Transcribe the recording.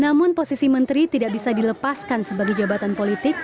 namun posisi menteri tidak bisa dilepaskan sebagai jabatan politik